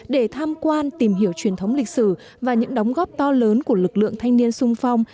để tham quan tìm hiểu truyền thống lịch sử và những đóng góp to lớn của lực lượng thanh niên sung phong